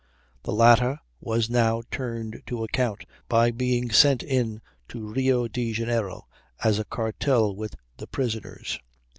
The latter was now turned to account by being sent in to Rio de Janeiro as a cartel with the prisoners.